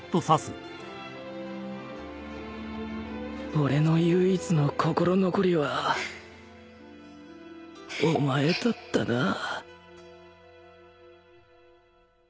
俺の唯一の心残りはお前だったなぁ